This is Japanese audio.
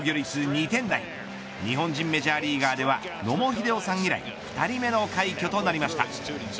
２点台日本人メジャーリーガーでは野茂英雄さん以来２人目の快挙となりました。